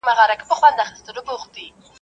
سل په لالي پوري، دا يو ئې د بنگړو.